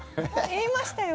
言いましたよ。